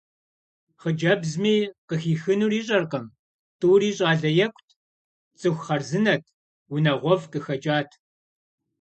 Хъыджэбзми къыхихынур ищӏэркъым: тӏури щӏалэ екӏут, цӏыху хъарзынэт, унагъуэфӏ къыхэкӏат.